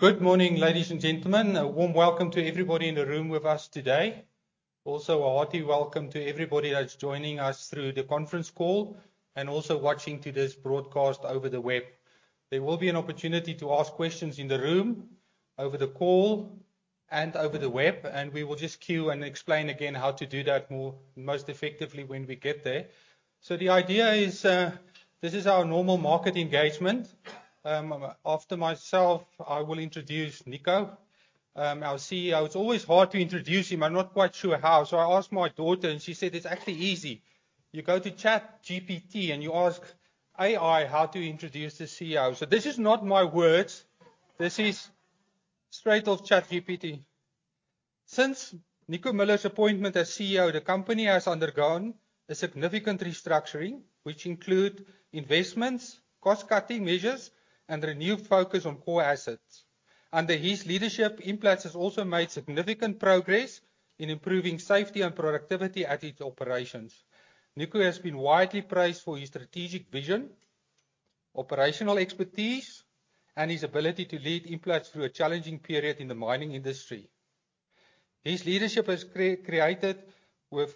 Good morning, ladies and gentlemen. A warm welcome to everybody in the room with us today. A hearty welcome to everybody that's joining us through the conference call and also watching to this broadcast over the web. There will be an opportunity to ask questions in the room, over the call, and over the web, and we will just queue and explain again how to do that most effectively when we get there. The idea is, this is our normal market engagement. After myself, I will introduce Nico, our CEO. It's always hard to introduce him. I'm not quite sure how. I asked my daughter, and she said, "It's actually easy. You go to ChatGPT, and you ask AI how to introduce the CEO." This is not my words. This is straight off ChatGPT. Since Nico Muller's appointment as CEO, the company has undergone a significant restructuring, which include investments, cost-cutting measures, and renewed focus on core assets. Under his leadership, Implats has also made significant progress in improving safety and productivity at its operations. Nico Muller has been widely praised for his strategic vision, operational expertise, and his ability to lead Implats through a challenging period in the mining industry. His leadership has been credited with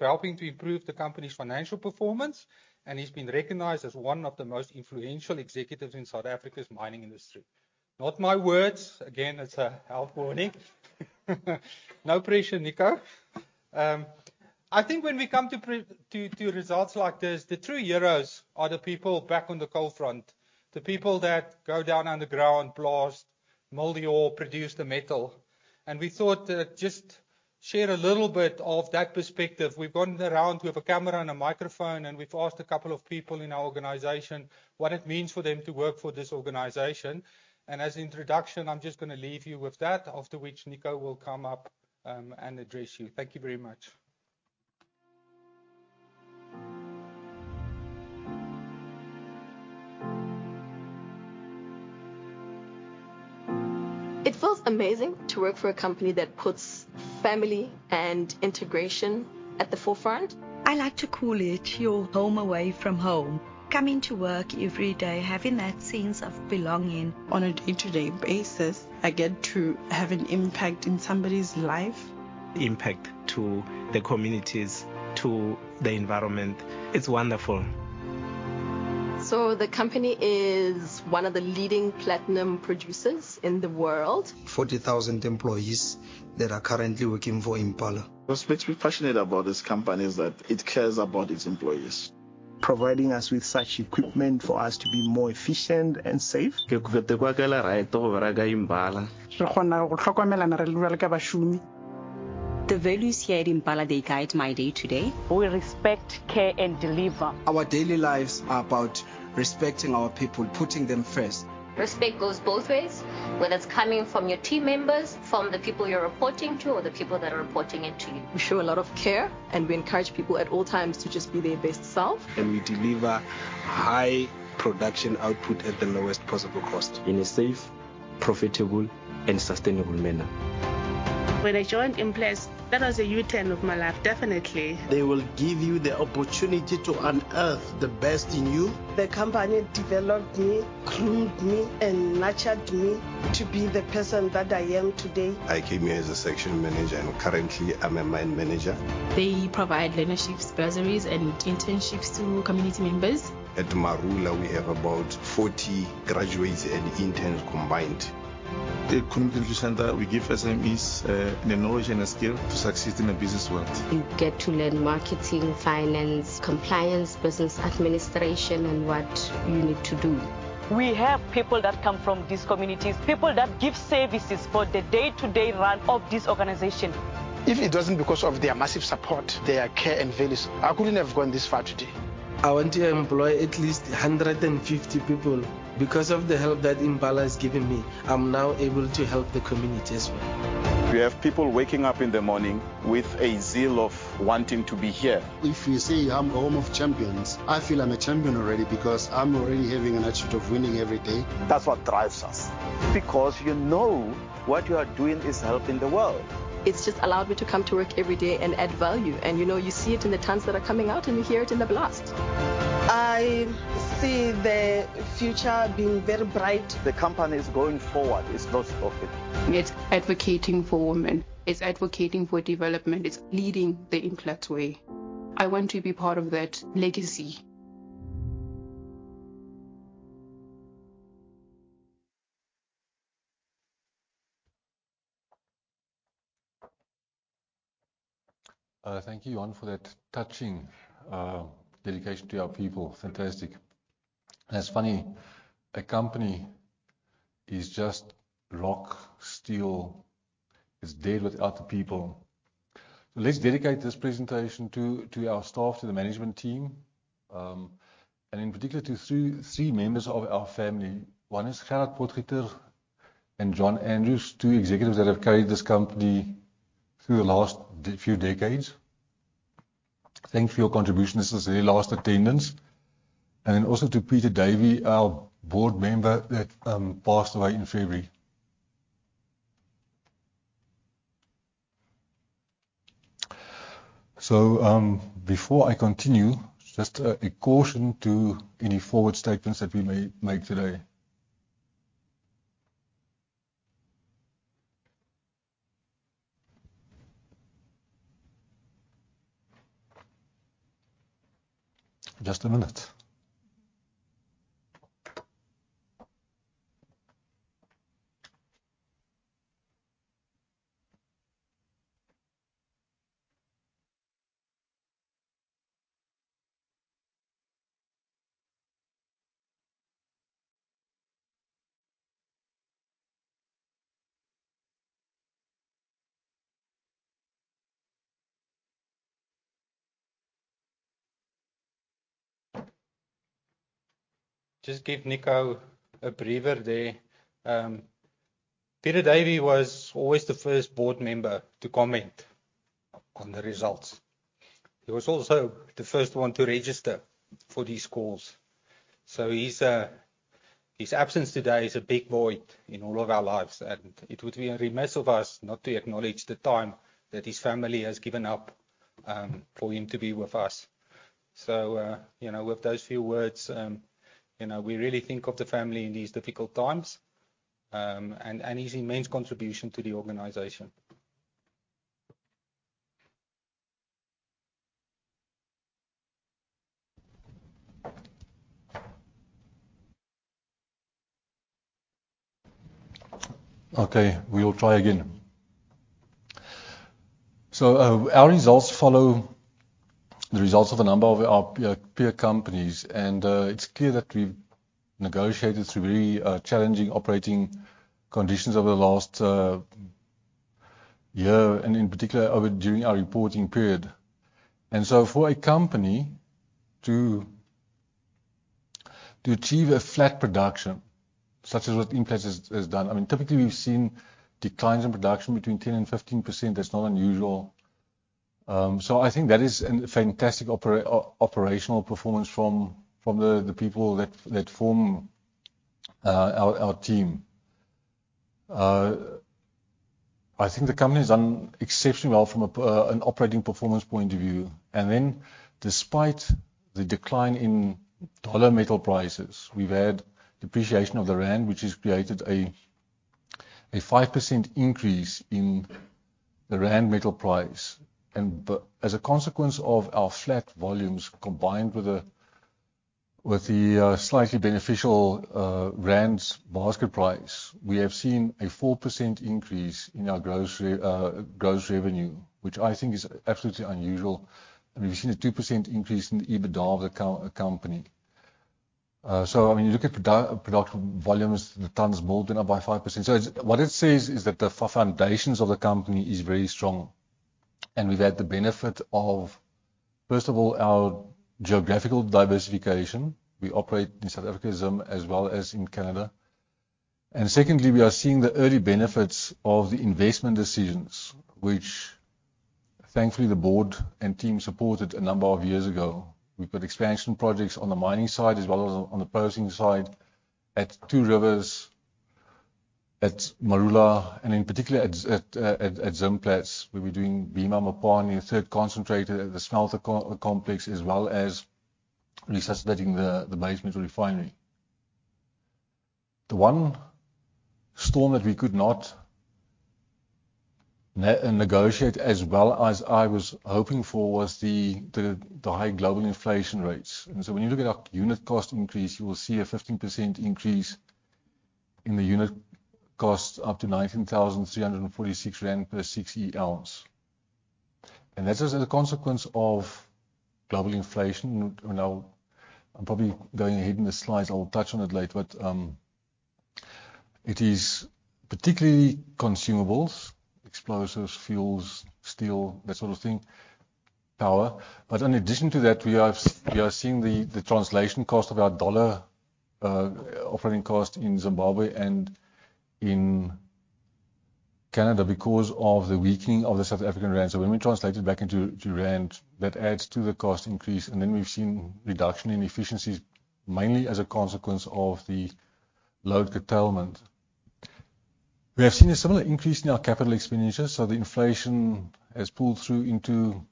helping to improve the company's financial performance, and he's been recognized as one of the most influential executives in South Africa's mining industry. Not my words. Again, it's a health warning. No pressure, Nico Muller. I think when we come to results like this, the true heroes are the people back on the coal front, the people that go down underground, blast, mold the ore, produce the metal. We thought that just share a little bit of that perspective. We've gone around with a camera and a microphone, and we've asked a couple of people in our organization what it means for them to work for this organization. As introduction, I'm just gonna leave you with that, after which Nico will come up and address you. Thank you very much. It feels amazing to work for a company that puts family and integration at the forefront. I like to call it your home away from home. Coming to work every day, having that sense of belonging. On a day-to-day basis, I get to have an impact in somebody's life. The impact to the communities, to the environment, it's wonderful. The company is one of the leading platinum producers in the world. 40,000 employees that are currently working for Impala. What makes me passionate about this company is that it cares about its employees. Providing us with such equipment for us to be more efficient and safe. The values here at Impala, they guide my day-to-day. We respect, care, and deliver. Our daily lives are about respecting our people, putting them first. Respect goes both ways, whether it's coming from your team members, from the people you're reporting to, or the people that are reporting in to you. We show a lot of care, and we encourage people at all times to just be their best self. We deliver high production output at the lowest possible cost. In a safe, profitable, and sustainable manner. When I joined Implats, that was a U-turn of my life, definitely. They will give you the opportunity to unearth the best in you. The company developed me, groomed me, and nurtured me to be the person that I am today. I came here as a section manager. Currently, I'm a mine manager. They provide learnerships, bursaries, and internships to community members. At Marula, we have about 40 graduates and interns combined. The community center, we give SMEs, the knowledge and the skill to succeed in the business world. You get to learn marketing, finance, compliance, business administration, and what you need to do. We have people that come from these communities, people that give services for the day-to-day run of this organization. If it wasn't because of their massive support, their care and values, I couldn't have gone this far today. I want to employ at least 150 people. Because of the help that Impala has given me, I'm now able to help the community as well. We have people waking up in the morning with a zeal of wanting to be here. If you say I'm home of champions, I feel I'm a champion already because I'm already having an attitude of winning every day. That's what drives us. You know what you are doing is helping the world. It's just allowed me to come to work every day and add value, and you know you see it in the tons that are coming out, and you hear it in the blast. I see the future being very bright. The company is going forward. It's not stopping. It's advocating for women. It's advocating for development. It's leading the Implats way. I want to be part of that legacy. Thank you, Johan, for that touching dedication to our people. Fantastic. It's funny, a company is just rock, steel. It's dead without the people. Let's dedicate this presentation to our staff, to the management team, in particular to three members of our family. One is Gerhard Potgieter and Johan Andrews, two executives that have carried this company through the last few decades. Thank you for your contribution. This is their last attendance. Also to Peter Davey, our board member that passed away in February. Before I continue, just a caution to any forward statements that we may make today. Just a minute. Just give Nico Muller a breather there. Peter Davey was always the first board member to comment on the results. He was also the first one to register for these calls. His absence today is a big void in all of our lives, and it would be a remiss of us not to acknowledge the time that his family has given up, for him to be with us. You know, with those few words, you know, we really think of the family in these difficult times, and his immense contribution to the organization. Okay, we will try again. Our results follow the results of a number of our peer companies. It's clear that we've negotiated through very challenging operating conditions over the last year and in particular over during our reporting period. For a company to achieve a flat production such as what Implats has done, I mean, typically, we've seen declines in production between 10% and 15%. That's not unusual. I think that is an fantastic operational performance from the people that form our team. I think the company's done exceptionally well from an operating performance point of view. Despite the decline in dollar metal prices, we've had depreciation of the rand, which has created a 5% increase in the rand metal price. As a consequence of our flat volumes combined with the slightly beneficial rand basket price, we have seen a 4% increase in our gross revenue, which I think is absolutely unusual. We've seen a 2% increase in the EBITDA of the company. I mean, you look at production volumes, the tons mined went up by 5%. What it says is that the foundations of the company is very strong. We've had the benefit of, first of all, our geographical diversification. We operate in South Africa, Zim, as well as in Canada. Secondly, we are seeing the early benefits of the investment decisions which thankfully, the board and team supported a number of years ago. We've got expansion projects on the mining side as well as on the processing side at Two Rivers, at Marula, and in particular at Zimplats, where we're doing Bimha Mupani, a third concentrator at the smelter co-complex, as well as resuscitating the Base Metal Refinery. The one storm that we could not negotiate as well as I was hoping for was the high global inflation rates. When you look at our unit cost increase, you will see a 15% increase in the unit cost up to 19,346 rand per 6E oz. That is as a consequence of global inflation. Now, I'm probably going ahead in the slides. I will touch on it later. It is particularly consumables, explosives, fuels, steel, that sort of thing, power. In addition to that, we are seeing the translation cost of our USD operating cost in Zimbabwe and in Canada because of the weakening of the South African rand. When we translate it back into rand, that adds to the cost increase. We've seen reduction in efficiencies, mainly as a consequence of the load curtailment. We have seen a similar increase in our capital expenditures. The inflation has pulled through into.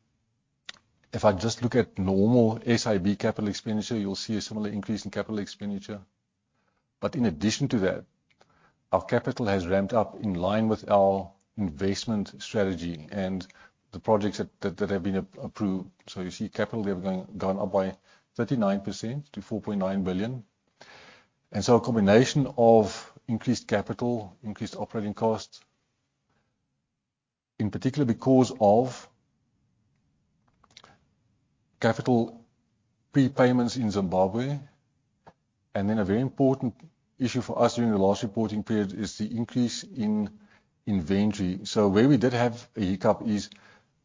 If I just look at normal SIB capital expenditure, you'll see a similar increase in capital expenditure. In addition to that, our capital has ramped up in line with our investment strategy and the projects that have been approved. You see capital there gone up by 39% to 4.9 billion. A combination of increased capital, increased operating costs, in particular because of capital prepayments in Zimbabwe. Then a very important issue for us during the last reporting period is the increase in inventory. Where we did have a hiccup is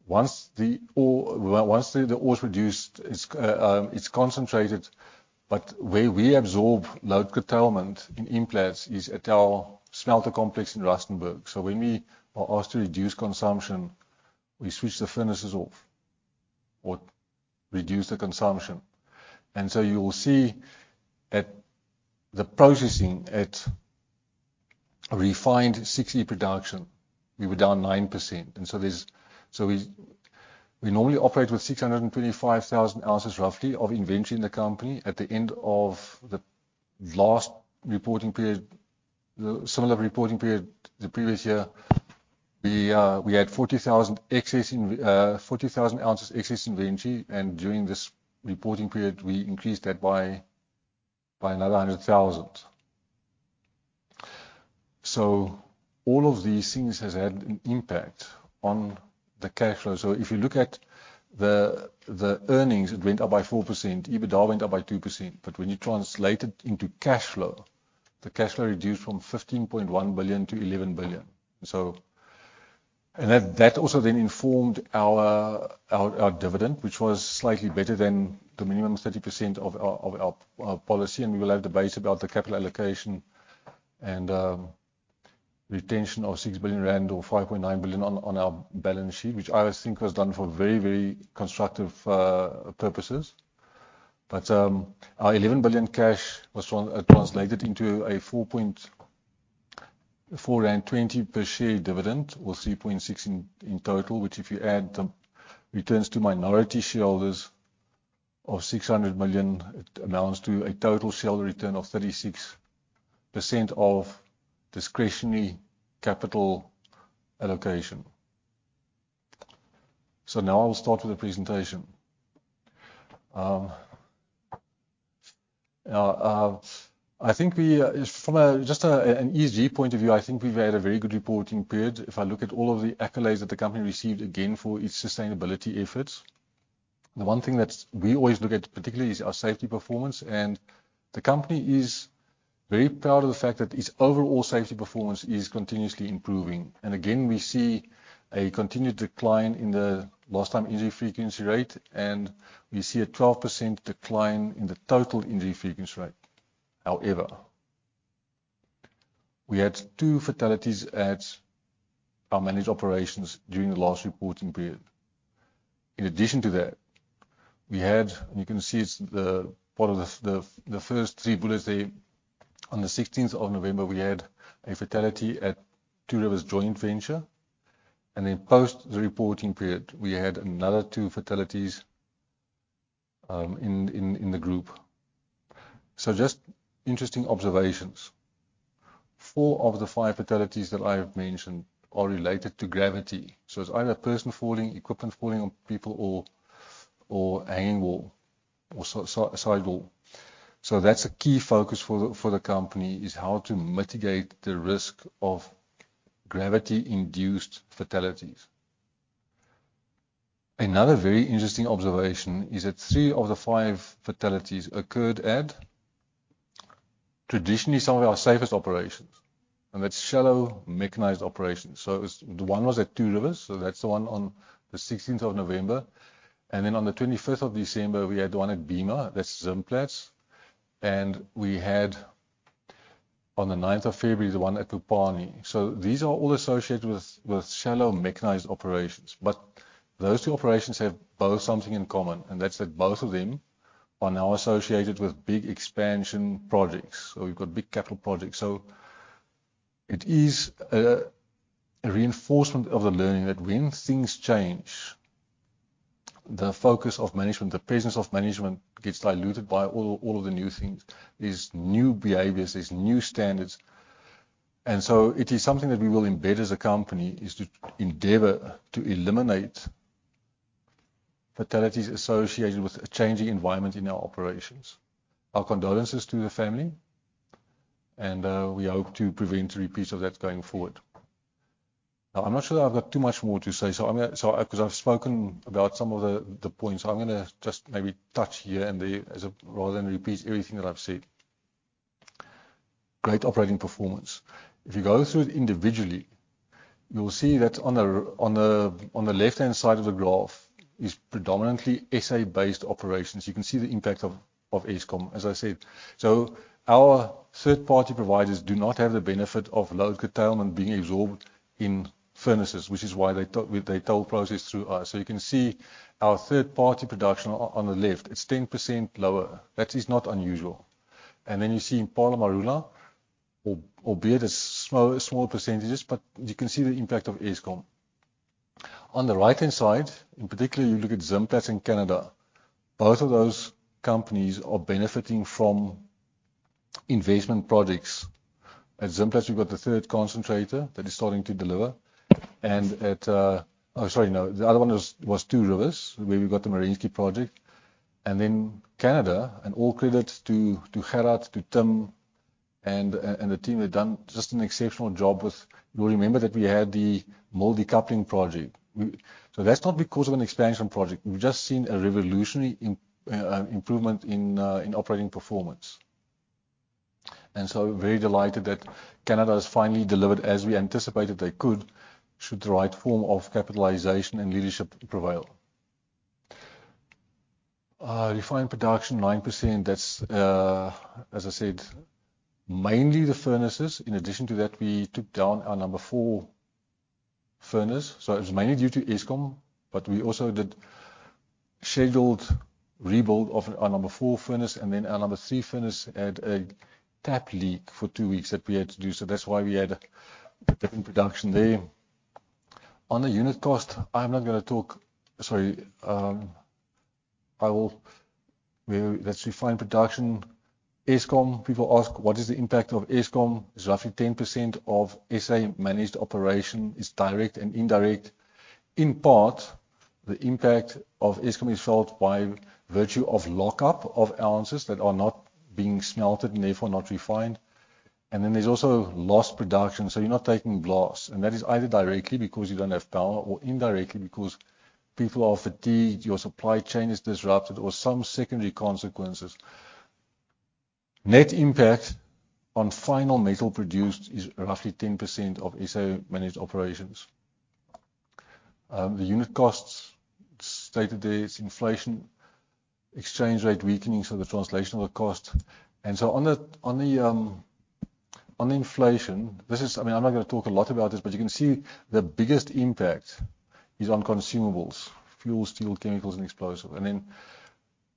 once the ore's reduced, it's concentrated. Where we absorb load curtailment in Implats is at our smelter complex in Rustenburg. When we are asked to reduce consumption, we switch the furnaces off or reduce the consumption. You will see at the processing at refined six-year production, we were down 9%. We normally operate with 625,000 ounces roughly of inventory in the company. At the end of the last reporting period, the similar reporting period the previous year, we had 40,000 ounces excess in inventory. During this reporting period, we increased that by another 100,000. All of these things has had an impact on the cash flow. If you look at the earnings, it went up by 4%, EBITDA went up by 2%. When you translate it into cash flow, the cash flow reduced from 15.1 billion to 11 billion. That also then informed our dividend, which was slightly better than the minimum 30% of our policy. We will have debate about the capital allocation and retention of 6 billion rand or 5.9 billion on our balance sheet, which I think was done for very, very constructive purposes. Our 11 billion cash was translated into a 4.20 per share dividend, or 3.6 in total, which if you add the returns to minority shareholders of 600 million, it amounts to a total shareholder return of 36% of discretionary capital allocation. Now I'll start with the presentation. I think we, from just an ESG point of view, I think we've had a very good reporting period. If I look at all of the accolades that the company received again for its sustainability efforts, the one thing that's we always look at particularly is our safety performance. The company is very proud of the fact that its overall safety performance is continuously improving. Again, we see a continued decline in the lost time injury frequency rate, and we see a 12% decline in the total injury frequency rate. However, we had two fatalities at our managed operations during the last reporting period. In addition to that, You can see it's the one of the first three bullets there. On the 16th of November, we had a fatality at Two Rivers joint venture. Post the reporting period, we had another two fatalities in the group. Just interesting observations. four of the five fatalities that I have mentioned are related to gravity. It's either person falling, equipment falling on people or hanging wall or side wall. That's a key focus for the company, is how to mitigate the risk of gravity-induced fatalities. Another very interesting observation is that three of the five fatalities occurred at traditionally some of our safest operations, and that's shallow mechanized operations. One was at Two Rivers, so that's the one on the 16th of November. On the 25th of December, we had one at Bimha, that's Zimplats. We had on the ninth of February, the one at Kupari. These are all associated with shallow mechanized operations. Those two operations have both something in common, and that's that both of them are now associated with big expansion projects. We've got big capital projects. It is a reinforcement of the learning that when things change, the focus of management, the presence of management gets diluted by all of the new things. There's new behaviors, there's new standards, it is something that we will embed as a company, is to endeavor to eliminate fatalities associated with a changing environment in our operations. Our condolences to the family, we hope to prevent a repeat of that going forward. I'm not sure that I've got too much more to say. 'Cause I've spoken about some of the points. I'm gonna just maybe touch here and there rather than repeat everything that I've said. Great operating performance. If you go through it individually, you will see that on the left-hand side of the graph is predominantly SA-based operations. You can see the impact of Eskom, as I said. Our third-party providers do not have the benefit of load curtailment being absorbed in furnaces, which is why they toll process through us. You can see our third-party production on the left, it's 10% lower. That is not unusual. Then you see Impala, Marula, albeit small percentages, but you can see the impact of Eskom. On the right-hand side, in particular you look at Zimplats in Canada, both of those companies are benefiting from investment projects. At Zimplats, we've got the third concentrator that is starting to deliver. At... Oh, sorry, no. The other one was Two Rivers, where we've got the Merensky project. Canada, and all credit to Gerhard, to Tim, and the team. They've done just an exceptional job with. You'll remember that we had the mill decoupling project. That's not because of an expansion project. We've just seen a revolutionary improvement in operating performance. Very delighted that Canada has finally delivered as we anticipated they could, should the right form of capitalization and leadership prevail. Refined production, 9%. That's, as I said, mainly the furnaces. In addition to that, we took down our number four furnace. It was mainly due to Eskom, but we also did scheduled rebuild of our number four furnace and then our number three furnace had a tap leak for two weeks that we had to do. That's why we had a dip in production there. On the unit cost, I'm not going to talk. Sorry, let's refine production. Eskom, people ask what is the impact of Eskom. It's roughly 10% of SA managed operation is direct and indirect. In part, the impact of Eskom is felt by virtue of lockup of ounces that are not being smelted and therefore not refined. There's also lost production, so you're not taking loss. That is either directly because you don't have power or indirectly because people are fatigued, your supply chain is disrupted or some secondary consequences. Net impact on final metal produced is roughly 10% of SA managed operations. The unit costs day-to-day is inflation, exchange rate weakening, the translation of the cost. On the, on inflation, I mean, I'm not gonna talk a lot about this, but you can see the biggest impact is on consumables: fuel, steel, chemicals and explosives.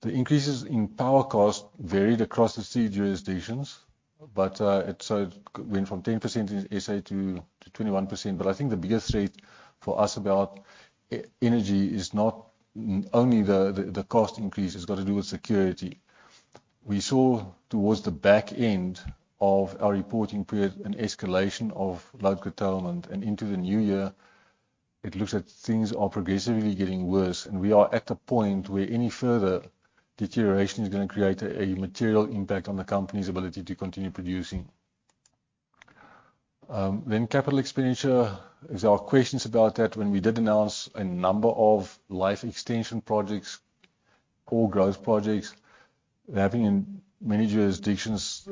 The increases in power cost varied across the three jurisdictions, but it sort of went from 10% in SA to 21%. I think the biggest threat for us about energy is not only the cost increase, it's got to do with security. We saw towards the back end of our reporting period an escalation of load curtailment, and into the new year it looks like things are progressively getting worse. We are at a point where any further deterioration is gonna create a material impact on the company's ability to continue producing. Capital expenditure, there's are questions about that when we did announce a number of life extension projects or growth projects happening in many jurisdictions.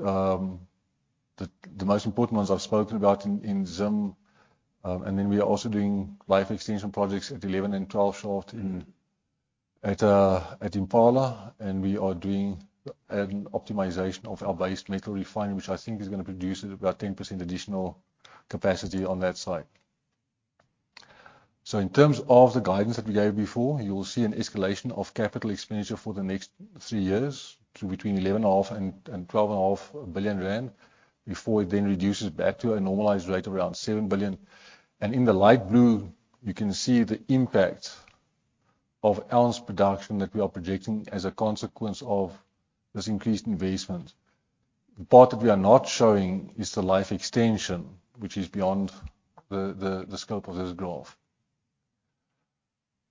The most important ones I've spoken about in Zim. We are also doing life extension projects at 11 and 12 shaft in, at Impala. We are doing an optimization of our Base Metal Refinery, which I think is gonna produce about 10% additional capacity on that site. In terms of the guidance that we gave before, you will see an escalation of capital expenditure for the next three years to between 11.5 billion rand and ZAR 12.5 billion, before it then reduces back to a normalized rate around 7 billion. In the light blue, you can see the impact of ounce production that we are projecting as a consequence of this increased investment. The part that we are not showing is the life extension, which is beyond the scope of this graph.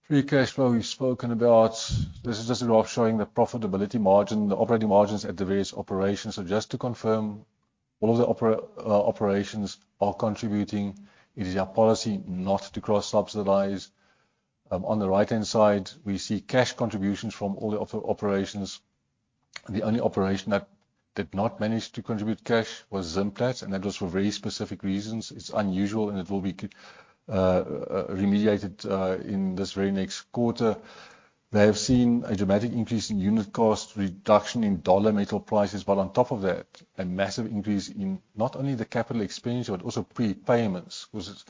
Free cash flow we've spoken about. This is just a graph showing the profitability margin, the operating margins at the various operations. Just to confirm, all of the operations are contributing. It is our policy not to cross-subsidize. On the right-hand side, we see cash contributions from all the other operations. The only operation that did not manage to contribute cash was Zimplats, and that was for very specific reasons. It's unusual, and it will be remediated in this very next quarter. They have seen a dramatic increase in unit cost, reduction in dollar metal prices, on top of that, a massive increase in not only the capital expenditure but also prepayments. 'Cause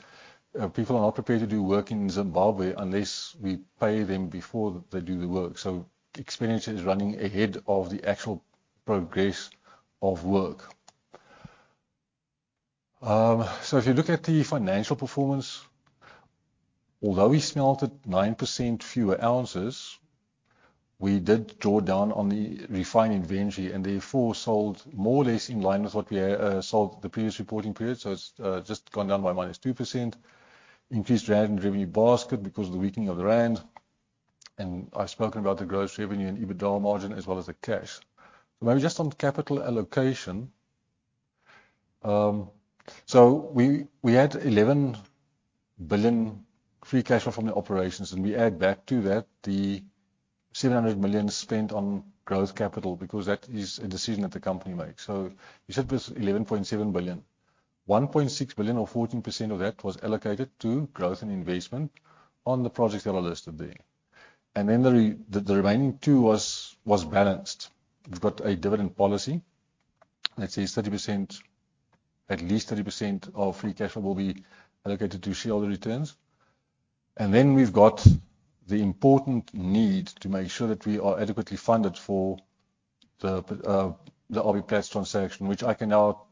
people are not prepared to do work in Zimbabwe unless we pay them before they do the work. Expenditure is running ahead of the actual progress of work. If you look at the financial performance, although we smelted 9% fewer ounces, we did draw down on the refining inventory and therefore sold more or less in line with what we sold the previous reporting period. It's just gone down by -2%. Increased rand revenue basket because of the weakening of the rand. I've spoken about the gross revenue and EBITDA margin as well as the cash. Maybe just on capital allocation. We had 11 billion free cash flow from the operations, we add back to that 700 million spent on growth capital because that is a decision that the company makes. You said it was 11.7 billion. 1.6 billion or 14% of that was allocated to growth and investment on the projects that are listed there. The remaining 2 billion was balanced. We've got a dividend policy that says at least 30% of free cash flow will be allocated to shareholder returns. We've got the important need to make sure that we are adequately funded for the RBPlat transaction, which I can now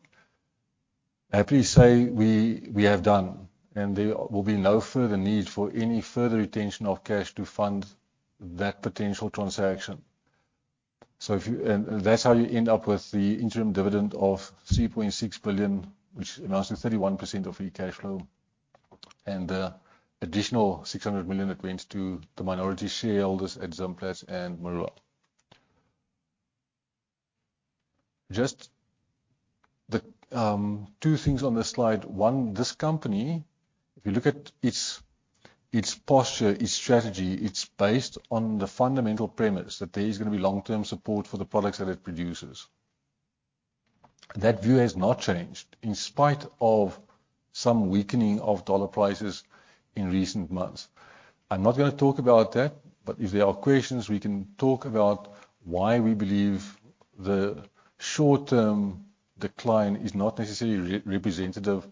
happily say we have done, and there will be no further need for any further retention of cash to fund that potential transaction. That's how you end up with the interim dividend of 3.6 billion, which amounts to 31% of free cash flow, and the additional 600 million that went to the minority shareholders at Zimplats and Marula. The two things on this slide. One. This company, if you look at its posture, its strategy, it's based on the fundamental premise that there is gonna be long-term support for the products that it produces. That view has not changed in spite of some weakening of dollar prices in recent months. I'm not gonna talk about that, but if there are questions, we can talk about why we believe the short-term decline is not necessarily re-representative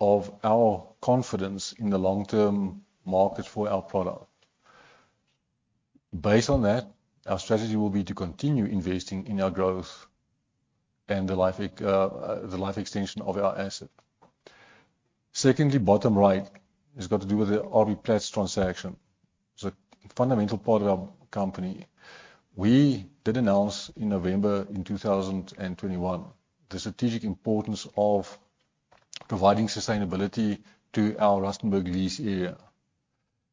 of our confidence in the long-term market for our product. Based on that, our strategy will be to continue investing in our growth and the life extension of our asset. Secondly, bottom right has got to do with the RBPlat transaction. It's a fundamental part of our company. We did announce in November in 2021, the strategic importance of providing sustainability to our Rustenburg lease area.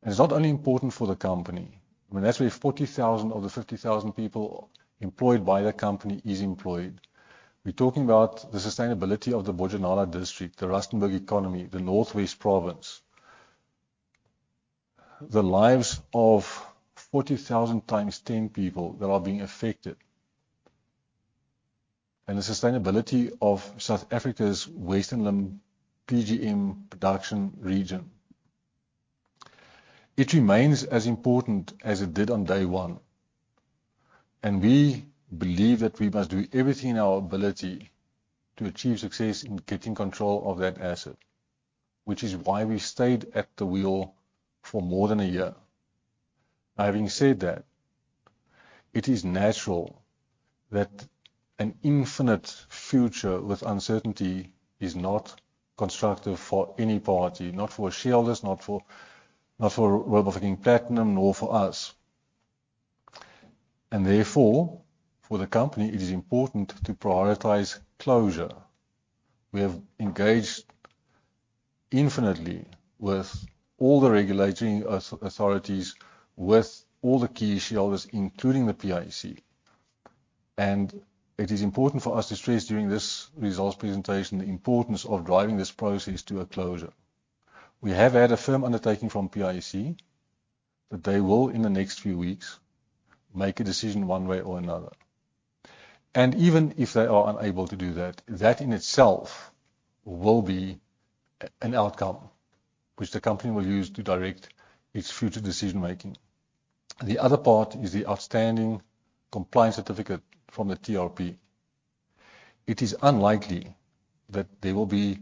It's not only important for the company, I mean, that's where 40,000 of the 50,000 people employed by the company is employed. We're talking about the sustainability of the Bojanala District, the Rustenburg economy, the North West Province. The lives of 40,000x 10 people that are being affected. The sustainability of South Africa's Western PGM production region. It remains as important as it did on day one. We believe that we must do everything in our ability to achieve success in getting control of that asset, which is why we stayed at the wheel for more than a year. Having said that, it is natural that an infinite future with uncertainty is not constructive for any party, not for shareholders, not for Royal Bafokeng Platinum, nor for us. Therefore, for the company, it is important to prioritize closure. We have engaged infinitely with all the regulating authorities, with all the key shareholders, including the PIC. It is important for us to stress during this results presentation the importance of driving this process to a closure. We have had a firm undertaking from PIC that they will, in the next few weeks, make a decision one way or another. Even if they are unable to do that in itself will be an outcome which the company will use to direct its future decision-making. The other part is the outstanding compliance certificate from the TRP. It is unlikely that there will be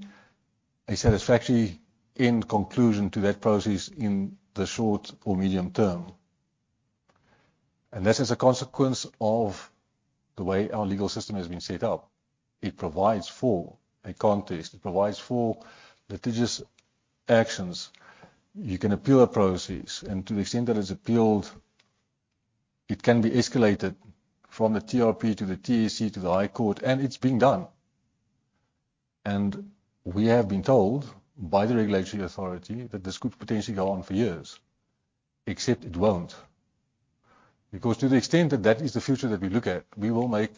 a satisfactory end conclusion to that process in the short or medium term. This is a consequence of the way our legal system has been set up. It provides for a contest. It provides for litigious actions. You can appeal a process, to the extent that it's appealed, it can be escalated from the TRP to the TAC to the High Court, and it's being done. We have been told by the regulatory authority that this could potentially go on for years. Except it won't, because to the extent that that is the future that we look at, we will make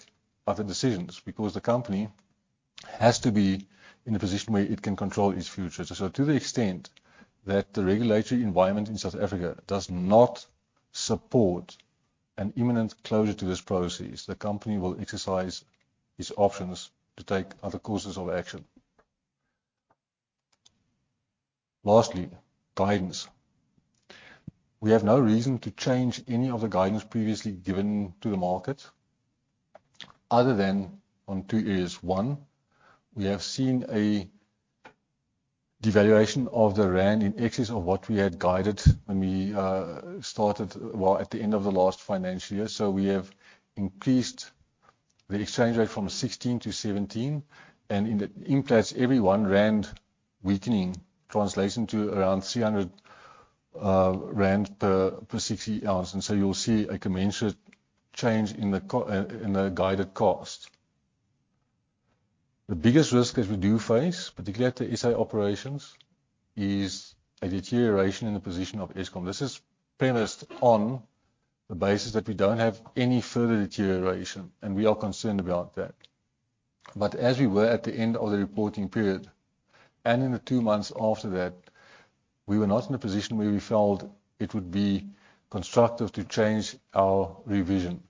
other decisions because the company has to be in a position where it can control its future. To the extent that the regulatory environment in South Africa does not support an imminent closure to this process, the company will exercise its options to take other courses of action. Lastly, guidance. We have no reason to change any of the guidance previously given to the market other than on two areas. One, we have seen a devaluation of the rand in excess of what we had guided when we started at the end of the last financial year. We have increased the exchange rate from 16 to 17, and in Implats, every 1 rand weakening translates into around 300 rand per 60 hours. You'll see a commensurate change in the guided cost. The biggest risk that we do face, particularly at the SA operations, is a deterioration in the position of Eskom. This is premised on the basis that we don't have any further deterioration, and we are concerned about that. As we were at the end of the reporting period and in the two months after that, we were not in a position where we felt it would be constructive to change our revision.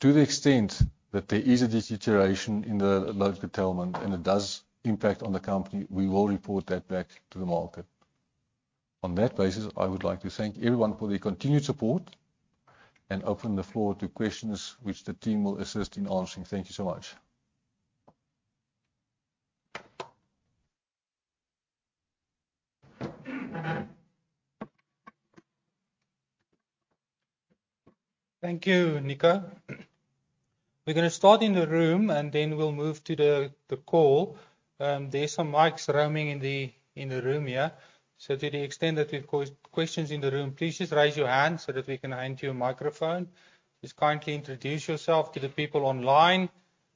To the extent that there is a deterioration in the load curtailment and it does impact on the company, we will report that back to the market. On that basis, I would like to thank everyone for their continued support and open the floor to questions which the team will assist in answering. Thank you so much. Thank you, Nico Muller. We're gonna start in the room, and then we'll move to the call. There are some mics roaming in the room here. To the extent that we've questions in the room, please just raise your hand so that we can hand you a microphone. Just kindly introduce yourself to the people online,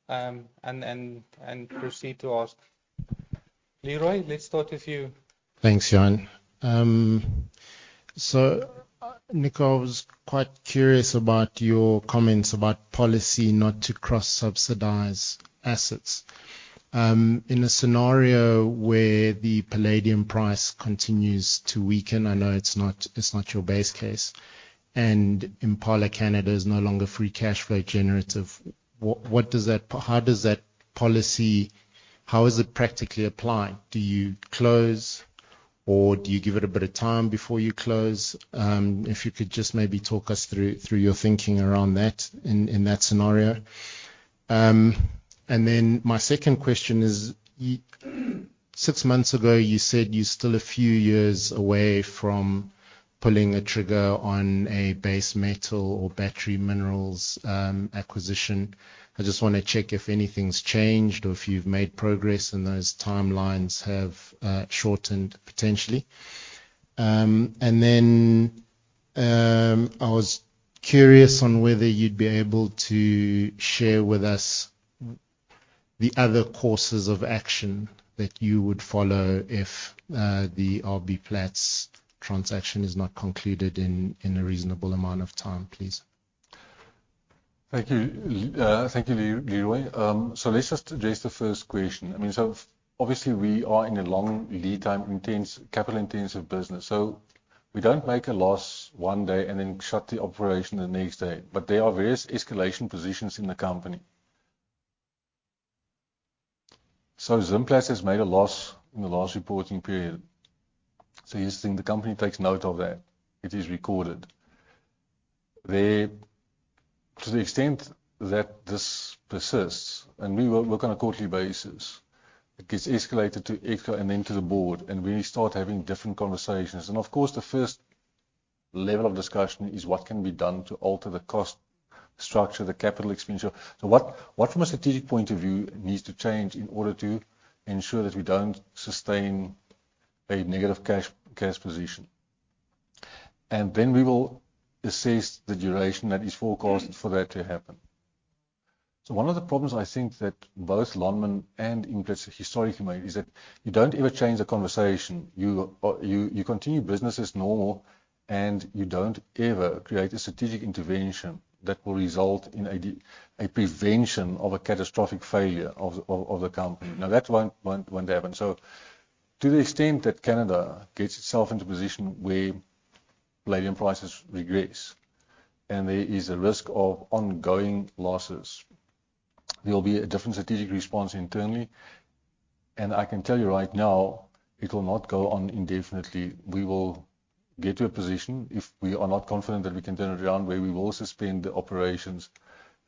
and proceed to ask. Leroy, let's start with you. Thanks, Jon. Nico, I was quite curious about your comments about policy not to cross-subsidize assets. In a scenario where the palladium price continues to weaken, I know it's not, it's not your base case, and Impala Canada is no longer free cash flow generative, how is that policy practically applied? Do you close? Or do you give it a bit of time before you close? If you could just maybe talk us through your thinking around that in that scenario. My second question is, six months ago you said you're still a few years away from pulling the trigger on a base metal or battery minerals acquisition. I just wanna check if anything's changed or if you've made progress and those timelines have shortened potentially. I was curious on whether you'd be able to share with us the other courses of action that you would follow if the RBPlat transaction is not concluded in a reasonable amount of time, please. Thank you. Leroy. Let's just address the first question. I mean, so obviously we are in a long lead time intense, capital intensive business, so we don't make a loss one day and then shut the operation the next day. There are various escalation positions in the company. Zimplats has made a loss in the last reporting period, so you think the company takes note of that. It is recorded. To the extent that this persists and we work on a quarterly basis, it gets escalated to Edgar and then to the board, and we start having different conversations. Of course, the first level of discussion is what can be done to alter the cost structure, the capital expenditure. What from a strategic point of view needs to change in order to ensure that we don't sustain a negative cash position? We will assess the duration that is forecasted for that to happen. One of the problems I think that both Lonmin and Implats historically made is that you don't ever change the conversation. You continue business as normal, and you don't ever create a strategic intervention that will result in a prevention of a catastrophic failure of the company. That won't happen. To the extent that Canada gets itself into a position where palladium prices regress and there is a risk of ongoing losses, there'll be a different strategic response internally. I can tell you right now, it'll not go on indefinitely. We will get to a position if we are not confident that we can turn it around, where we will suspend the operations,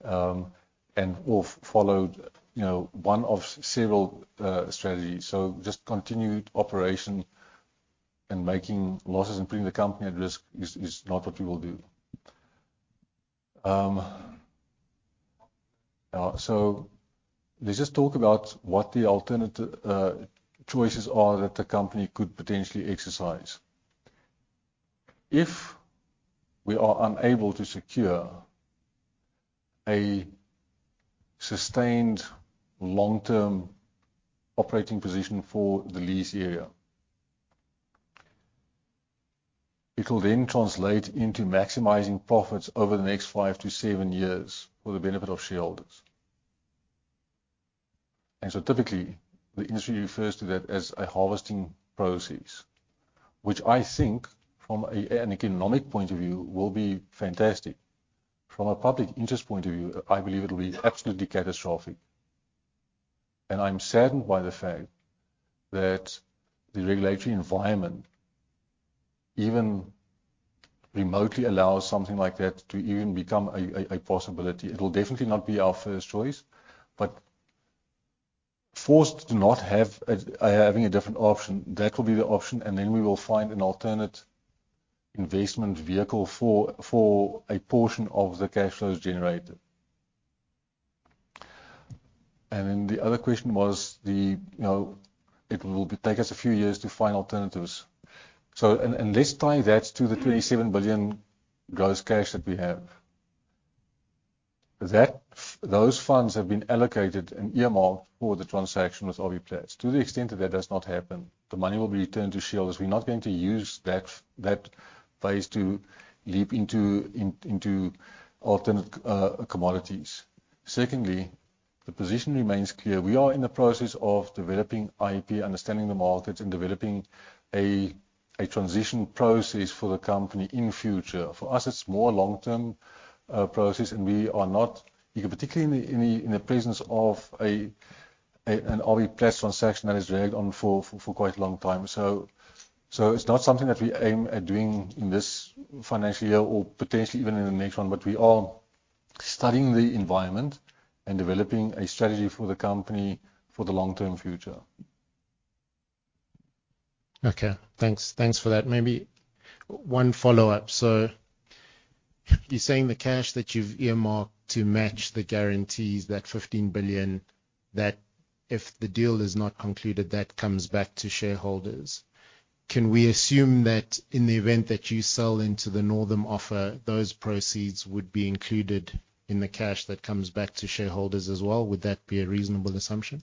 and we'll followed, you know, one of several strategies. Just continued operation and making losses and putting the company at risk is not what we will do. Let's just talk about what the alternative choices are that the company could potentially exercise. If we are unable to secure a sustained long-term operating position for the lease area, it will then translate into maximizing profits over the next five to seven years for the benefit of shareholders. Typically, the industry refers to that as a harvesting process, which I think from an economic point of view will be fantastic. From a public interest point of view, I believe it'll be absolutely catastrophic, and I'm saddened by the fact that the regulatory environment even remotely allows something like that to even become a possibility. It'll definitely not be our first choice, but forced to not have a different option, that will be the option, and then we will find an alternate investment vehicle for a portion of the cash flows generated. The other question was the, you know, it will be take us a few years to find alternatives. Let's tie that to the 27 billion gross cash that we have. Those funds have been allocated and earmarked for the transaction with RBPlat. To the extent that that does not happen, the money will be returned to shareholders. We're not going to use that base to leap into alternate commodities. The position remains clear. We are in the process of developing IP, understanding the markets, and developing a transition process for the company in future. For us, it's more long-term process, we are not, you know, particularly in the presence of an RBPlat transaction that is dragged on for quite a long time. It's not something that we aim at doing in this financial year or potentially even in the next one. We are studying the environment and developing a strategy for the company for the long-term future. Okay, thanks. Thanks for that. Maybe one follow-up. You're saying the cash that you've earmarked to match the guarantees, that 15 billion, that if the deal is not concluded, that comes back to shareholders. Can we assume that in the event that you sell into the Northam offer, those proceeds would be included in the cash that comes back to shareholders as well? Would that be a reasonable assumption?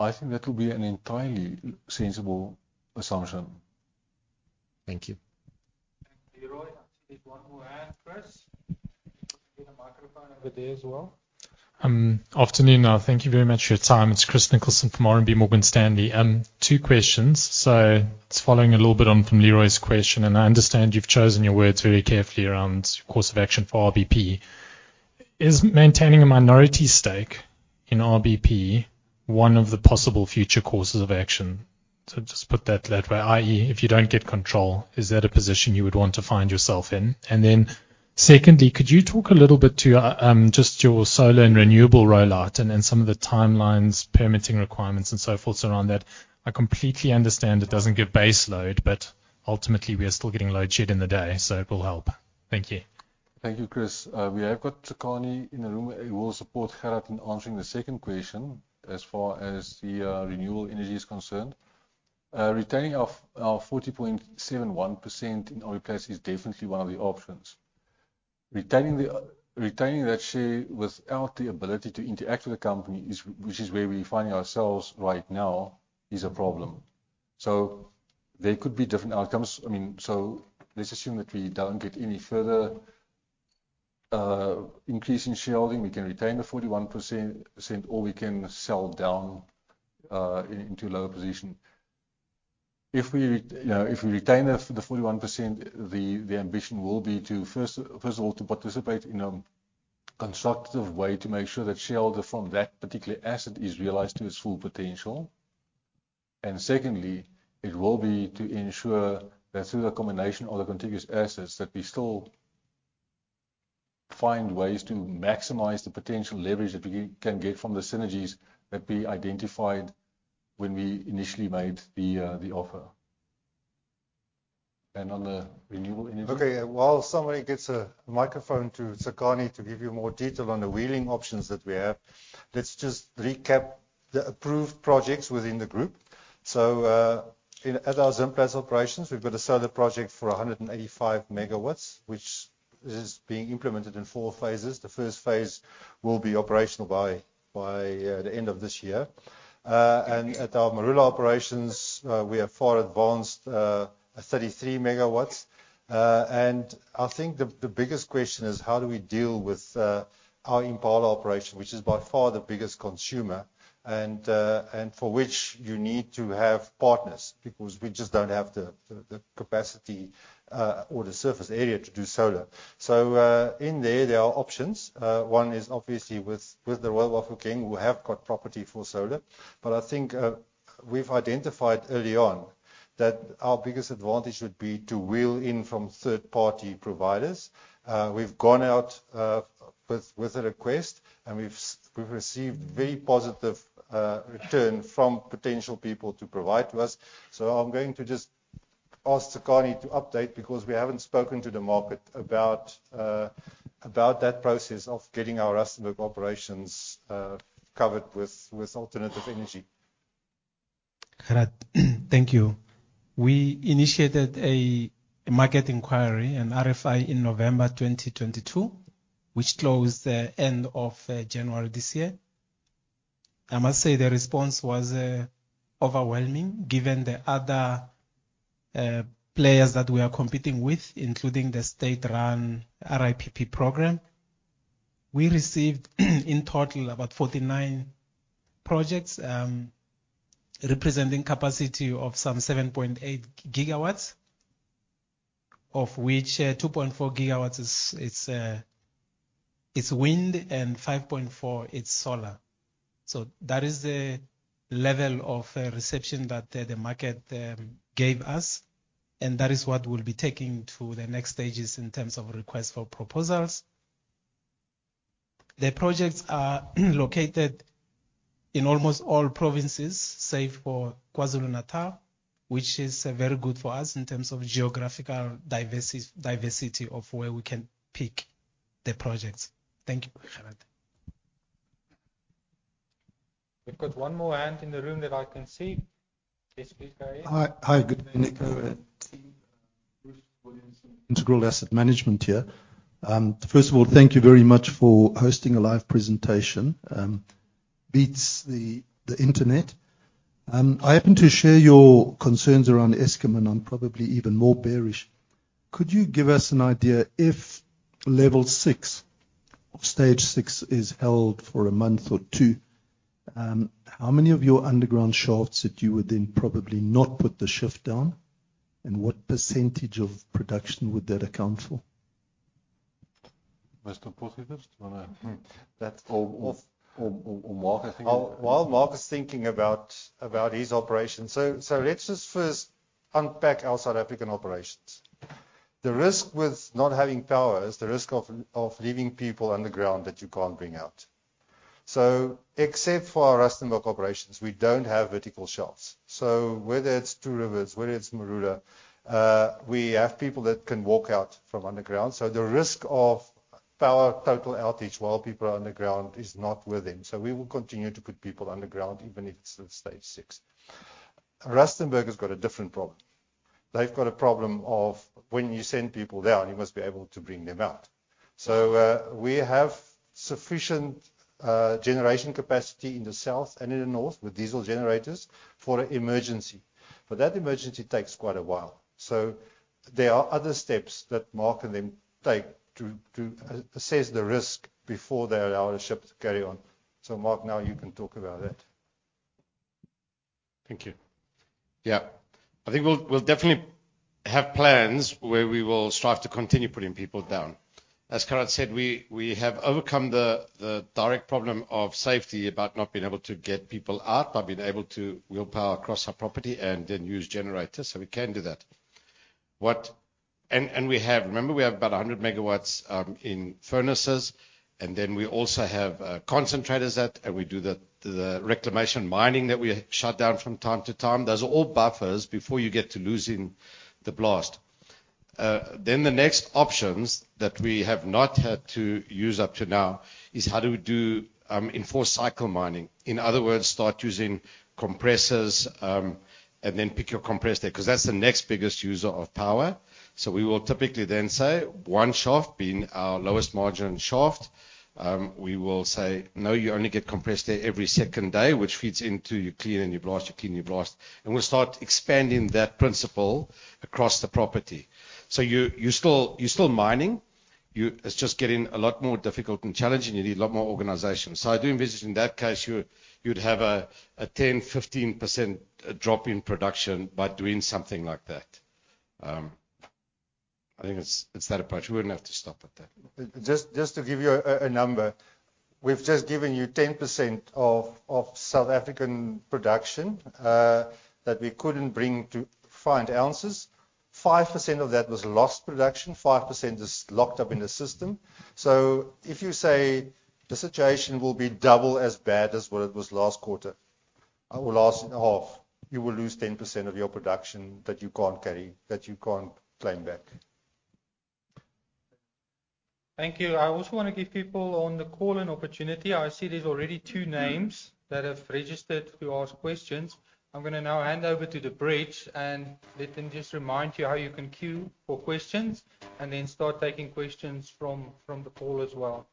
I think that would be an entirely sensible assumption. Thank you. Thank you, Leroy. I see there's one more hand. Chris, there's a microphone over there as well. Afternoon. Thank you very much for your time. It's Chris Nicholson from RMB / Morgan Stanley. Two questions. Just following a little bit on from Leroy's question, and I understand you've chosen your words very carefully around course of action for RBP. Is maintaining a minority stake in RBP one of the possible future courses of action? To just put that that way, i.e., if you don't get control, is that a position you would want to find yourself in? Secondly, could you talk a little bit to just your solar and renewable rollout and then some of the timelines, permitting requirements, and so forth around that? I completely understand it doesn't give base load, but ultimately we are still getting load shed in the day, so it will help. Thank you. Thank you, Chris. We have got Tsakani in the room who will support Gerhard in answering the second question as far as the renewable energy is concerned. Retaining of our 40.71% in RBPlat is definitely one of the options. Retaining the retaining that share without the ability to interact with the company is, which is where we're finding ourselves right now, is a problem. There could be different outcomes. I mean, let's assume that we don't get any further increase in shareholding. We can retain the 41%, or we can sell down into a lower position. If we, you know, if we retain the 41%, the ambition will be to first of all, to participate in a constructive way to make sure that shareholder from that particular asset is realized to its full potential. Secondly, it will be to ensure that through the combination of the contiguous assets, that we still find ways to maximize the potential leverage that we can get from the synergies that we identified when we initially made the offer. On the renewable energy? While somebody gets a microphone to Tsakani to give you more detail on the wheeling options that we have, let's just recap the approved projects within the group. At our Zimplats operations, we've got a solar project for 185 MW, which is being implemented in four phases. The first phase will be operational by the end of this year. At our Marula operations, we are far advanced at 33 MW. I think the biggest question is how do we deal with our Impala operation, which is by far the biggest consumer, and for which you need to have partners because we just don't have the capacity or the surface area to do solar. In there are options. One is obviously with the Royal Bafokeng, who have got property for solar. I think we've identified early on that our biggest advantage would be to wheel in from third-party providers. We've gone out with a request, and we've received very positive return from potential people to provide to us. I'm going to just ask Tsakani to update because we haven't spoken to the market about that process of getting our Rustenburg operations covered with alternative energy. Gerhard, thank you. We initiated a market inquiry, an RFI, in November 2022, which closed, end of January this year. I must say the response was overwhelming given the other players that we are competing with, including the state-run REIPP programme. We received, in total, about 49 projects, representing capacity of some 7.8 gigawatts, of which, 2.4 gigawatts is, it's wind, and 5.4, it's solar. That is the level of reception that the market gave us, and that is what we'll be taking to the next stages in terms of requests for proposals. The projects are located in almost all provinces, save for KwaZulu-Natal, which is very good for us in terms of geographical diversity of where we can pick the projects. Thank you, Gerhard. We've got one more hand in the room that I can see. Yes, please, go ahead. Hi. Hi, good morning. Nic Bruce Williamson, Integral Asset Management here. First of all, thank you very much for hosting a live presentation. Beats the Internet. I happen to share your concerns around Eskom, and I'm probably even more bearish. Could you give us an idea if level six or stage six is held for a month or two, how many of your underground shafts that you would then probably not put the shift down, and what percentage of production would that account for? Mr. Potgieter, do you? That's- Mark. While Mark is thinking about his operations. Let's just first unpack our South African operations. The risk with not having power is the risk of leaving people underground that you can't bring out. Except for our Rustenburg operations, we don't have vertical shafts. Whether it's Two Rivers, whether it's Marula, we have people that can walk out from underground. The risk of power total outage while people are underground is not within. We will continue to put people underground even if it's at stage six. Rustenburg has got a different problem. They've got a problem of when you send people down, you must be able to bring them out. We have sufficient generation capacity in the south and in the north with diesel generators for emergency, but that emergency takes quite a while. There are other steps that Mark and them take to assess the risk before they allow the shift to carry on. Mark, now you can talk about that. Thank you. Yeah. I think we'll definitely have plans where we will strive to continue putting people down. As Conrad said, we have overcome the direct problem of safety about not being able to get people out by being able to wheel power across our property and then use generators, so we can do that. Remember we have about 100 MW in furnaces, and then we also have concentrators that, and we do the reclamation mining that we shut down from time to time. Those are all buffers before you get to losing the blast. The next options that we have not had to use up to now is how do we do enforced cycle mining. In other words, start using compressors, pick your compressed air, 'cause that's the next biggest user of power. We will typically say one shaft being our lowest margin shaft, we will say, "No, you only get compressed air every second day," which feeds into you clean your blast. We'll start expanding that principle across the property. You're still mining. It's just getting a lot more difficult and challenging. You need a lot more organization. I do envision that case you'd have a 10%, 15% drop in production by doing something like that. I think it's that approach. We wouldn't have to stop at that. Just to give you a number. We've just given you 10% of South African production that we couldn't bring to fine ounces. 5% of that was lost production, 5% is locked up in the system. If you say the situation will be double as bad as what it was last quarter or last half, you will lose 10% of your production that you can't carry, that you can't claim back. Thank you. I also wanna give people on the call an opportunity. I see there's already two names that have registered to ask questions. I'm gonna now hand over to the bridge and let them just remind you how you can queue for questions and then start taking questions from the call as well.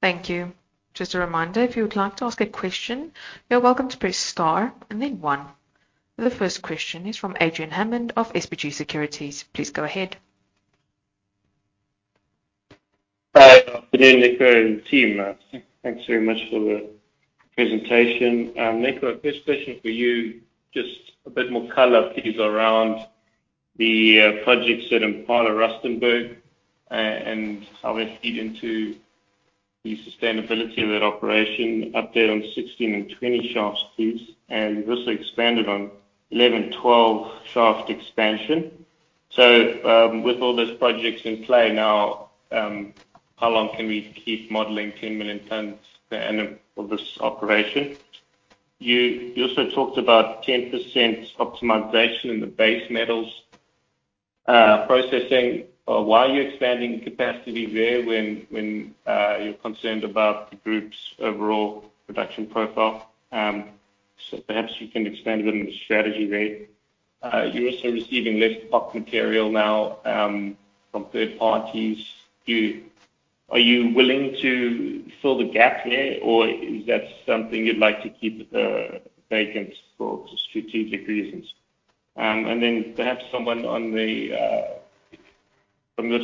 Thank you. Just a reminder, if you would like to ask a question, you're welcome to press star and then 1. The first question is from Adrian Hammond of SBG Securities. Please go ahead. Hi. Good day, Nico and team. Thanks very much for the presentation. Nico, first question for you, just a bit more color, please, around the projects that are part of Rustenburg and how they feed into the sustainability of that operation. Update on 16 and 20 shafts, please. You've also expanded on 11, 12 shaft expansion. With all those projects in play now, how long can we keep modeling 10 million tons per annum for this operation? You also talked about 10% optimization in the base metals processing. Why are you expanding capacity there when you're concerned about the group's overall production profile? Perhaps you can expand a bit on the strategy there. You're also receiving less POC material now, from third parties. Are you willing to fill the gap there or is that something you'd like to keep, vacant for strategic reasons? Then perhaps someone from the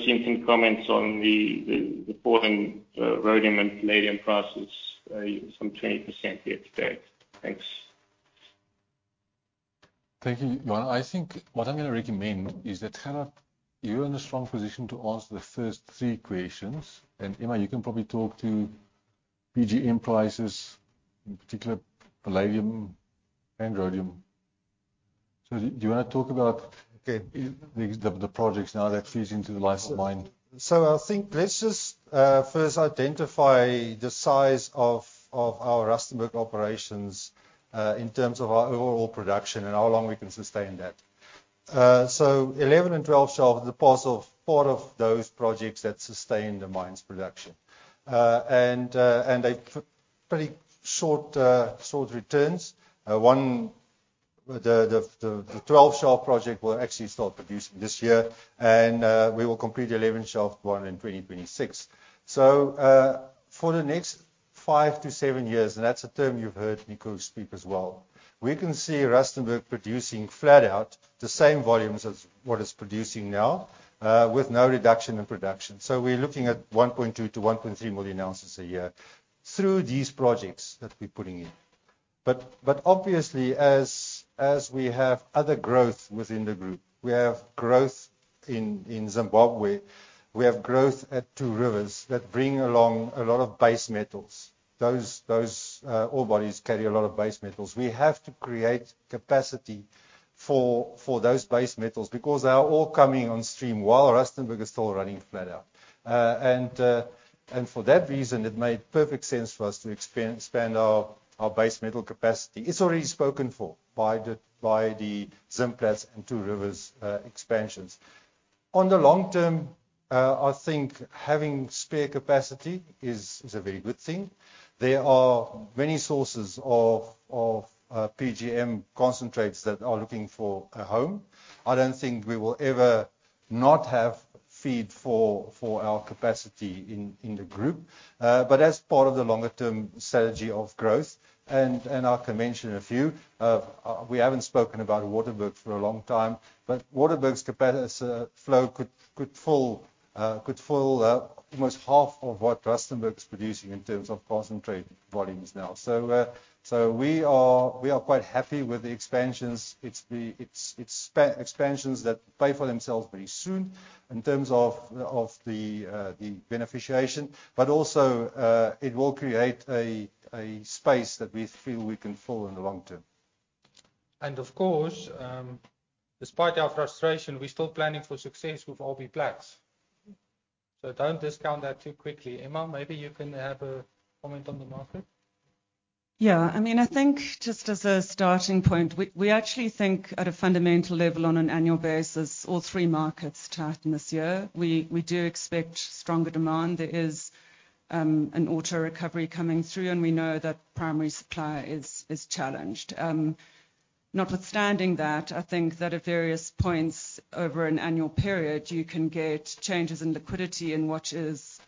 team can comment on the fall in rhodium and palladium prices, some 20% year-to-date. Thanks. Thank you. Well, I think what I'm gonna recommend is that, Gerhard, you're in a strong position to answer the first three questions. Emma, you can probably talk to PGM prices, in particular palladium and rhodium. Okay, the projects now that feeds into the life of mine? I think let's just first identify the size of our Rustenburg operations in terms of our overall production and how long we can sustain that. 11 and 12 shaft, the parts of four of those projects that sustain the mine's production. They've pretty short returns. One, the 12 shaft project will actually start producing this year, and we will complete 11 shaft one in 2026. For the next five to seven years, and that's a term you've heard Nico speak as well, we can see Rustenburg producing flat out the same volumes as what it's producing now, with no reduction in production. We're looking at 1.2 million-1.3 million ounces a year through these projects that we're putting in. Obviously as we have other growth within the group, we have growth in Zimbabwe, we have growth at Two Rivers that bring along a lot of base metals. Those ore bodies carry a lot of base metals. We have to create capacity for those base metals because they are all coming on stream while Rustenburg is still running flat out. And for that reason, it made perfect sense for us to expand our base metal capacity. It's already spoken for by the Zimplats and Two Rivers expansions. On the long term, I think having spare capacity is a very good thing. There are many sources of PGM concentrates that are looking for a home. I don't think we will ever not have feed for our capacity in the group. As part of the longer term strategy of growth, and I can mention a few, we haven't spoken about Waterberg for a long time, but Waterberg's flow could full Could fill almost half of what Rustenburg's producing in terms of concentrate volumes now. We are quite happy with the expansions. It's expansions that pay for themselves very soon in terms of the beneficiation. Also, it will create a space that we feel we can fill in the long term. Of course, despite our frustration, we're still planning for success with RBPlat. Don't discount that too quickly. Emma, maybe you can have a comment on the market. Yeah. I mean, I think just as a starting point, we actually think at a fundamental level on an annual basis, all three markets tighten this year. We do expect stronger demand. There is an auto recovery coming through, and we know that primary supply is challenged. Notwithstanding that, I think that at various points over an annual period, you can get changes in liquidity in what is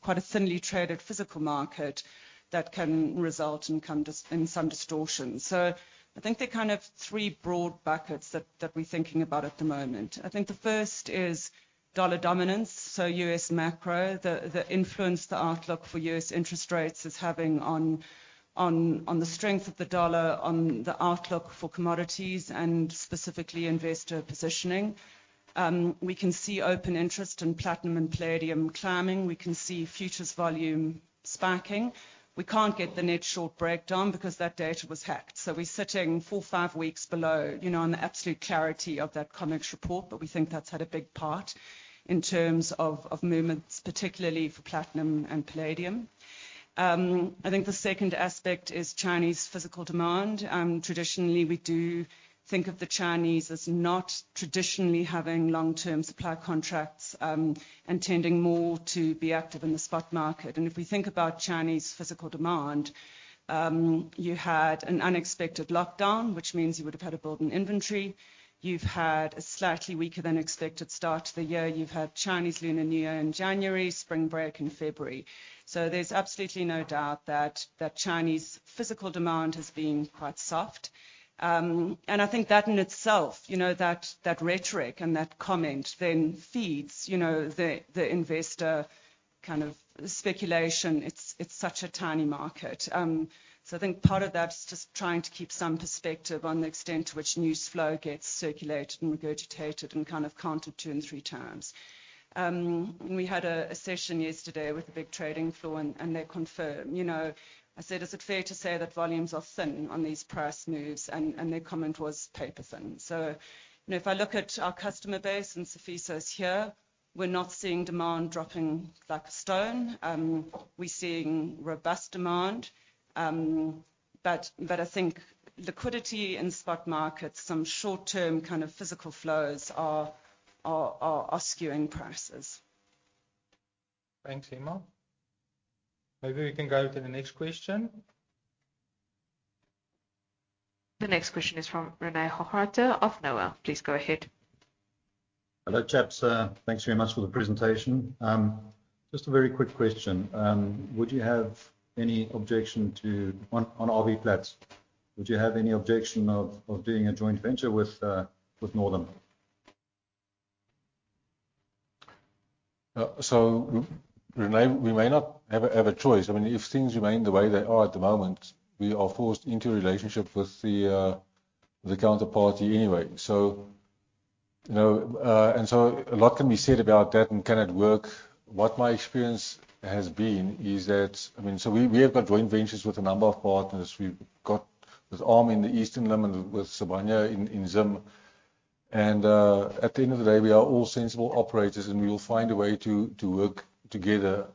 quite a thinly traded physical market that can result in some distortions. I think there are kind of three broad buckets that we're thinking about at the moment. I think the first is dollar dominance, so U.S. macro. The influence the outlook for U.S. interest rates is having on the strength of the dollar, on the outlook for commodities and specifically investor positioning. We can see open interest in platinum and palladium climbing. We can see futures volume spiking. We can't get the net short breakdown because that data was hacked, so we're sitting four, weeks below, you know, on the absolute clarity of that COMEX report. We think that's had a big part in terms of movements, particularly for platinum and palladium. I think the second aspect is Chinese physical demand. Traditionally, we do think of the Chinese as not traditionally having long-term supply contracts, and tending more to be active in the spot market. If we think about Chinese physical demand, you had an unexpected lockdown, which means you would have had a build in inventory. You've had a slightly weaker than expected start to the year. You've had Chinese Lunar New Year in January, spring break in February. There's absolutely no doubt that Chinese physical demand has been quite soft. I think that in itself, you know, that rhetoric and that comment then feeds, you know, the investor kind of speculation. It's such a tiny market. I think part of that is just trying to keep some perspective on the extent to which news flow gets circulated and regurgitated and kind of counted two and 3x. We had a session yesterday with the big trading floor and they confirmed. You know, I said, "Is it fair to say that volumes are thin on these price moves?" Their comment was, "Paper thin." You know, if I look at our customer base, and Safi says here, we're not seeing demand dropping like a stone. We're seeing robust demand. I think liquidity in spot markets, some short-term kind of physical flows are skewing prices. Thanks, Emma. Maybe we can go to the next question. The next question is from René Hochreiter of NOAH. Please go ahead. Hello, chaps. Thanks very much for the presentation. Just a very quick question. On RBPlat, would you have any objection of doing a joint venture with Northam? So René, we may not have a choice. I mean, if things remain the way they are at the moment, we are forced into a relationship with the counterparty anyway. You know, and so a lot can be said about that and can it work? What my experience has been is that, I mean, we have got joint ventures with a number of partners. We've got with ARM in the Eastern Limb and with Sibanye-Stillwater in Zim. At the end of the day, we are all sensible operators, and we will find a way to work together.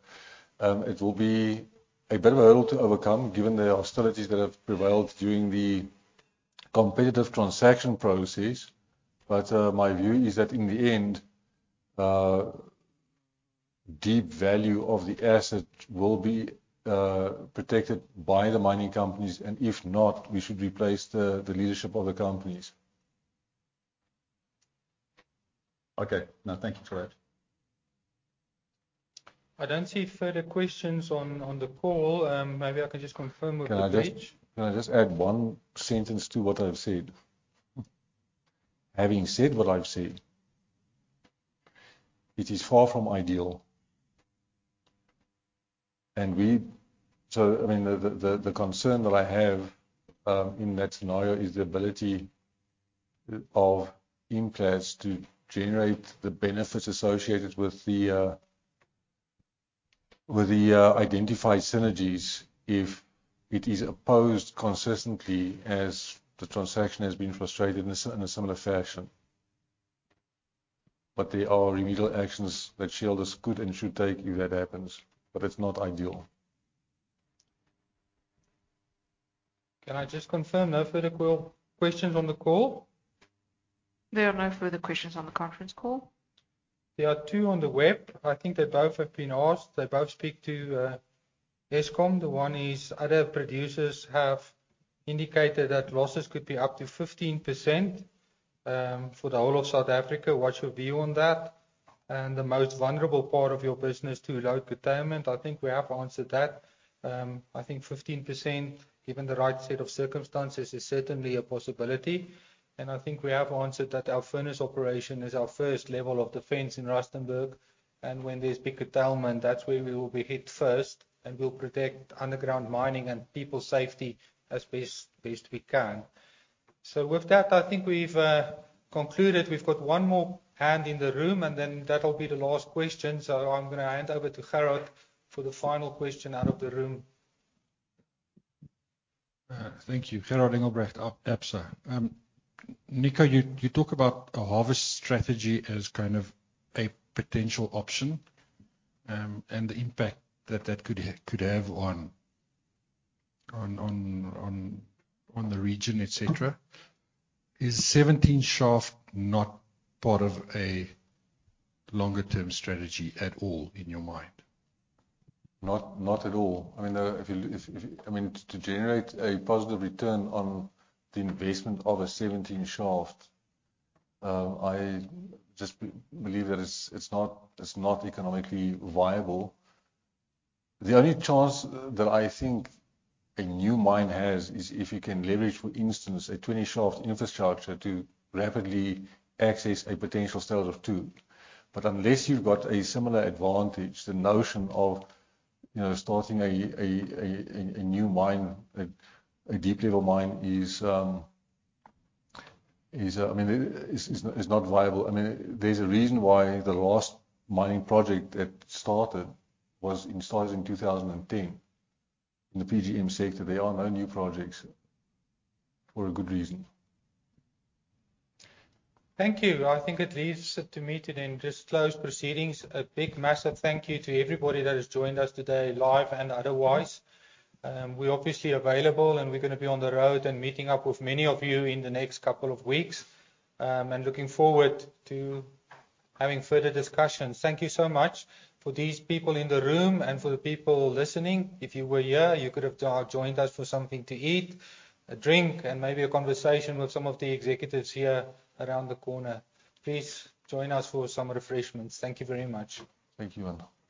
It will be a bit of a hurdle to overcome given the hostilities that have prevailed during the competitive transaction process. My view is that in the end, deep value of the asset will be protected by the mining companies. If not, we should replace the leadership of the companies. Okay. No, thank you for that. I don't see further questions on the call. Maybe I can just confirm with the page- Can I just add one sentence to what I've said? Having said what I've said, it is far from ideal. I mean, the concern that I have in that scenario is the ability of Implats to generate the benefits associated with the identified synergies if it is opposed consistently as the transaction has been frustrated in a similar fashion. There are remedial actions that shareholders could and should take if that happens, but it's not ideal. Can I just confirm, no further questions on the call? There are no further questions on the conference call. There are two on the web. I think they both have been asked. They both speak to Eskom. The one is, other producers have indicated that losses could be up to 15%, for the whole of South Africa. What's your view on that? The most vulnerable part of your business to load curtailment, I think we have answered that. I think 15%, given the right set of circumstances, is certainly a possibility, and I think we have answered that our furnace operation is our first level of defense in Rustenburg. When there's big curtailment, that's where we will be hit first, and we'll protect underground mining and people's safety as best we can. With that, I think we've concluded. We've got one more hand in the room, and then that'll be the last question. I'm gonna hand over to Gerald for the final question out of the room. Thank you. Gerhard Engelbrecht, Absa. Nico Müller, you talk about a harvest strategy as kind of a potential option, and the impact that that could have on the region, et cetera. Is 17 Shaft not part of a longer term strategy at all in your mind? Not at all. I mean, to generate a positive return on the investment of a 17 Shaft, I just believe that it's not economically viable. The only chance that I think a new mine has is if you can leverage, for instance, a 20 Shaft infrastructure to rapidly access a potential stope of two. Unless you've got a similar advantage, the notion of, you know, starting a new mine, a deep level mine is, I mean, is not viable. I mean, there's a reason why the last mining project that started, it started in 2010. In the PGM sector, there are no new projects for a good reason. Thank you. I think that leaves it to me to then just close proceedings. A big massive thank you to everybody that has joined us today, live and otherwise. We're obviously available, and we're going to be on the road and meeting up with many of you in the next couple of weeks, and looking forward to having further discussions. Thank you so much for these people in the room and for the people listening. If you were here, you could have joined us for something to eat, a drink, and maybe a conversation with some of the executives here around the corner. Please join us for some refreshments. Thank you very much. Thank you, Arno.